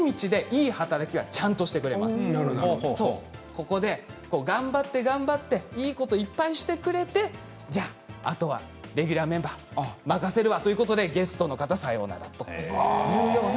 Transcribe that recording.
ここで頑張って頑張っていいこといっぱいしてくれて「じゃあ後はレギュラーメンバー任せるわ」ということでゲストの方さようならというような。